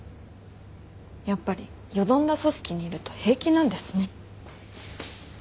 やっぱりよどんだ組織にいると平気なんですね。